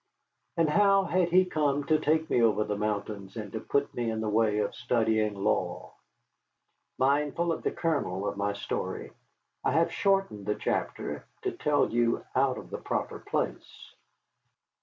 And how had he come to take me over the mountains, and to put me in the way of studying law? Mindful of the kernel of my story, I have shortened the chapter to tell you out of the proper place.